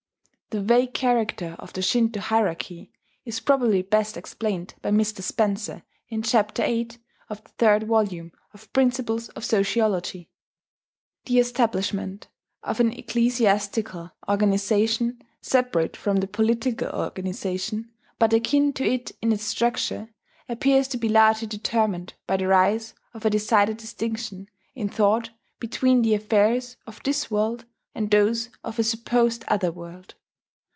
[*The vague character of the Shinto hierarchy is probably best explained by Mr. Spencer in Chapter VIII of the third volume of Principles of Sociology: "The establishment of an ecclesiastical organization separate from the political organization, but akin to it in its structure, appears to be largely determined by the rise of a decided distinction in thought between the affairs of this world and those of a supposed other world.